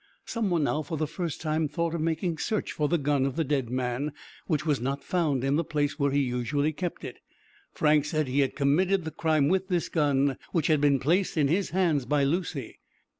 Some one now, for the first time, thought of making search for the gun of the dead man, which was not found in the place where he usually had kept it. Frank said he had committed the crime with this gun, which had been placed in his hands by Lucy.